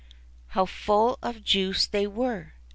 How full of juice they were